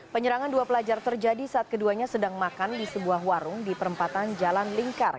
penyerangan dua pelajar terjadi saat keduanya sedang makan di sebuah warung di perempatan jalan lingkar